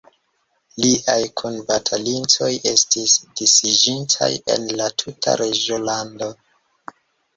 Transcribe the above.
Liaj kunbatalintoj estis disiĝintaj en la tuta reĝolando.